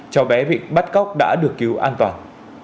cháu bé bị bắt cóc đã được cứu an toàn